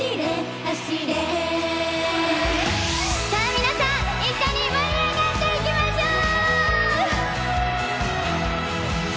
皆さん一緒に盛り上がっていきましょう。